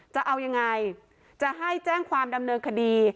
จะเอายังไงจะให้แจ้งความดำเนินคดี